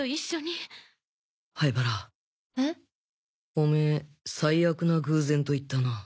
オメー最悪な偶然と言ったな。